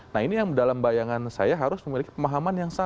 nah ini yang dalam bayangan saya harus memiliki pemahaman yang sama